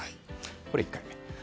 これが１回目。